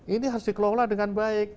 ini harus dikelola dengan baik